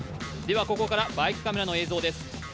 ではここからバイクカメラの映像です。